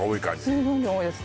水分量多いです